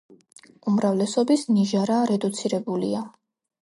უმრავლესობის ნიჟარა რედუცირებულია.